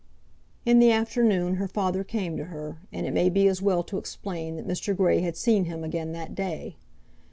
In the afternoon her father came to her, and it may be as well to explain that Mr. Grey had seen him again that day.